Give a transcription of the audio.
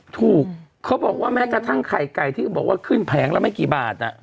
ถูกเขาบอกว่าแม้กระทั่งไข่ไก่ที่บอกว่าขึ้นแผงละไม่กี่บาท